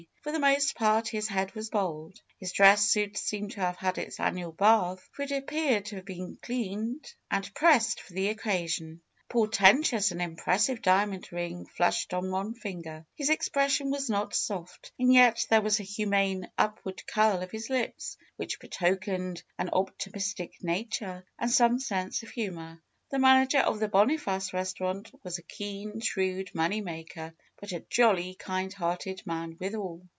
For the most part his head was bald. His dress suit seemed to have had its annual bath, for it appeared to have been cleaned and FAITH 271 pressed for the occasion. A portentious and impressive diamond ring flashed on one Anger. His expression was not soft, and yet there was a humane upward curl of his lips which betokened an optimistic nature, and some sense of humor. The manager of the Boniface restaurant was a keen, shrewd money maker, but a jolly, kind hearted man withal.